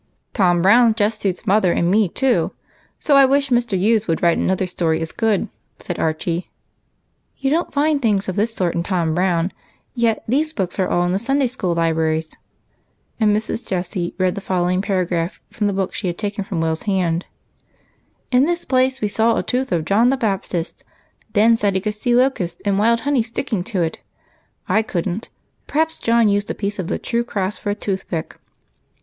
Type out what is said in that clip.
"Tom Brown just suits mother, and me too, so I wish Mr. Hughes would write another story as good," said Archie. " You don't find things of this sort in Tom Brown ; yet these books are all in the Sunday school libraries "— and Mrs. Jessie read the following paragraph from the book she had taken from Will's hand :—"' In this place we saw a tooth of John the Baptist. Ben said he could see locust and wild honey sticking •200 EIGHT COUSINS. to it. I could n't. Perhaps John used a jDiece of the true cross for a toothpick.'